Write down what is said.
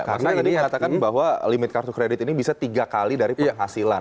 karena tadi mengatakan bahwa limit kartu kredit ini bisa tiga kali dari penghasilan